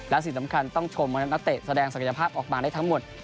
และสิ่งสำคัญต้องชมนักเตะแสดงศักยภาพออกมาได้ทั้งหมด